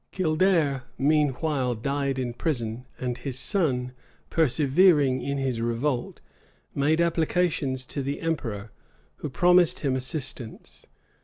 Kildare meanwhile died in prison; and his son, persevering in his revolt, made applications to the emperor, who promised him assistance.